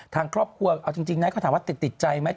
ทางครอบครัวเอาจริงนะเขาถามว่าติดใจไหม